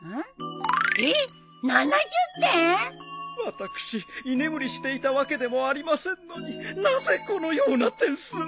私居眠りしていたわけでもありませんのになぜこのような点数を。